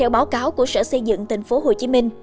báo cáo của sở xây dựng thành phố hồ chí minh